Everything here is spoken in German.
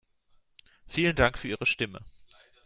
Vielen Dank für Ihre Stimme.